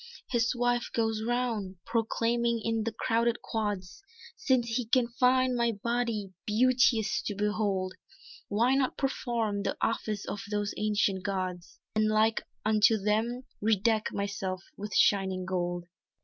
His wife goes round proclaiming in the crowded quads "Since he can find my body beauteous to behold, Why not perform the office of those ancient gods And like unto them, redeck myself with shining gold?"